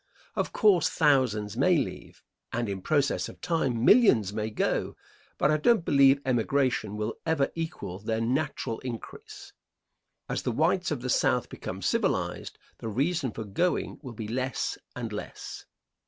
Of course, thousands may leave, and in process of time millions may go, but I don't believe emigration will ever equal their natural increase. As the whites of the South become civilized the reason for going will be less and less.